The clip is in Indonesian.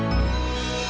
selamat pagi bu sanas